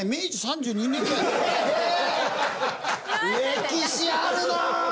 歴史あるな！